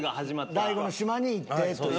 大悟の島に行ってという。